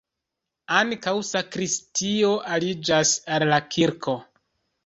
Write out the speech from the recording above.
Ankaŭ sakristio aliĝas al la kirko.